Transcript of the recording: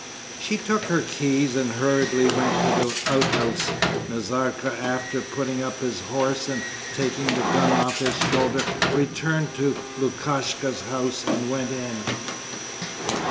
She took her keys and hurriedly went to the outhouse. Nazarka, after putting up his horse and taking the gun off his shoulder, returned to Lukashka's house and went in.